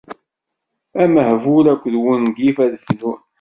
Amehbul akked wungif ad fnun.